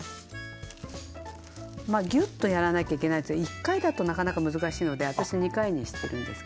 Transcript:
まあギュッとやらなきゃいけないやつは１回だとなかなか難しいので私２回にしてるんですけど。